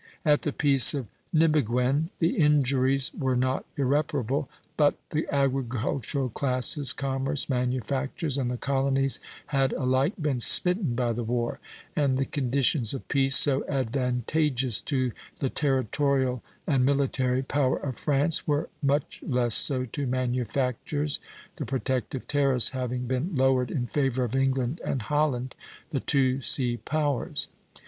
At the Peace of Nimeguen the injuries were not irreparable, but "the agricultural classes, commerce, manufactures, and the colonies had alike been smitten by the war; and the conditions of peace, so advantageous to the territorial and military power of France, were much less so to manufactures, the protective tariffs having been lowered in favor of England and Holland," the two sea powers.